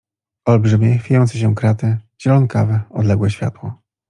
Olbrzymie, chwiejące się kraty, zielonkawe, odlegle światło.